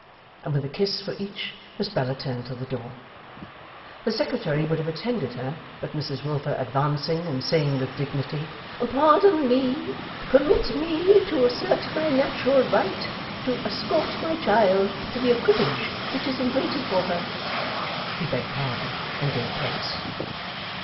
and with a kiss for each Miss Bella turned to the door. The Secretary would have attended her, but Mrs Wilfer advancing and saying with dignity, 'Pardon me! Permit me to assert my natural right to escort my child to the equipage which is in waiting for her,' he begged pardon and gave place.